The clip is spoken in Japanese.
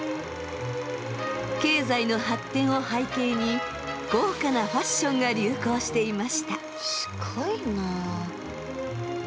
経済の発展を背景に豪華なファッションが流行していました。